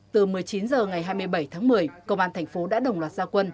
từ một mươi chín h ngày hai mươi bảy tháng một mươi công an thành phố đã đồng loạt gia quân